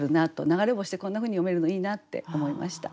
流れ星でこんなふうに詠めるのいいなって思いました。